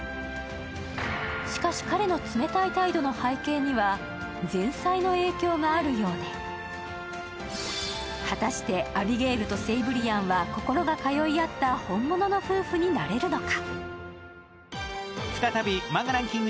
しかし、彼の冷たい態度の背景には前妻の影響があるようで果たして、アビゲールとセイブリアンは心が通い合った本物の夫婦になれるのか。